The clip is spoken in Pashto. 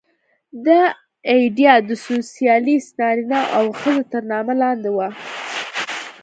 دا ایډیا د سوسیالېست نارینه او ښځه تر نامه لاندې وه